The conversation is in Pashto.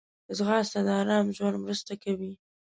ځغاسته د آرام ژوند مرسته کوي